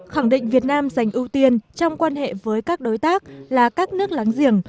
khẳng định việt nam dành ưu tiên trong quan hệ với các đối tác là các nước láng giềng